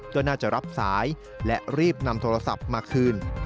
ก็น่าจะรับสายและรีบนำโทรศัพท์มาคืน